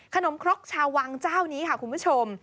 ครกชาววังเจ้านี้ค่ะคุณผู้ชม